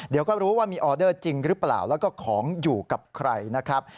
เดี๋ยวก็รู้ว่ามีออเดอร์จริงหรือเปล่าแล้วก็ของอยู่กับใครนะครับ